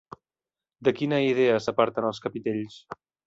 De quina idea s'aparten els capitells?